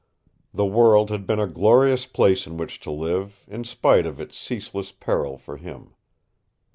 The world had been a glorious place in which to live, in spite of its ceaseless peril for him.